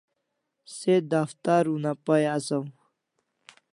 Se daftar una pay asaw